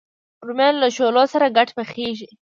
رومیان له شولو سره ګډ پخېږي